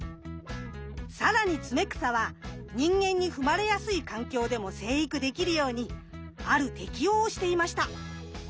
更にツメクサは人間に踏まれやすい環境でも生育できるようにある適応をしていました。